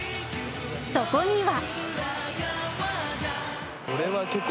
そこには。